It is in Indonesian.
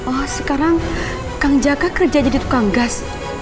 oh sekarang kang jaka kerja jadi tukang gas